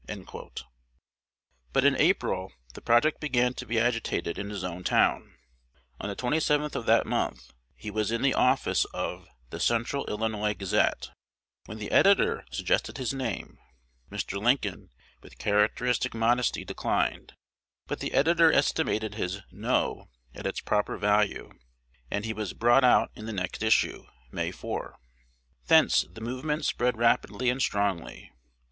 But in April the project began to be agitated in his own town. On the 27th of that month, he was in the office of "The Central Illinois Gazette," when the editor suggested his name. Mr. Lincoln, "with characteristic modesty, declined." But the editor estimated his "No" at its proper value; and he "was brought out in the next issue, May 4." Thence the movement spread rapidly and strongly.